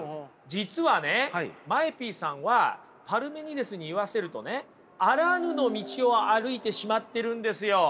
実はねＭＡＥＰさんはパルメニデスに言わせるとねあらぬの道を歩いてしまってるんですよ。